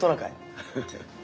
ハハハ。